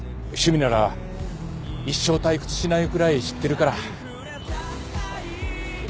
趣味なら一生退屈しないくらい知ってるから。